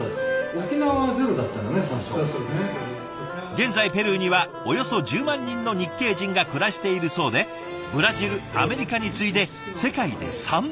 現在ペルーにはおよそ１０万人の日系人が暮らしているそうでブラジルアメリカに次いで世界で３番目に多いんだそうです。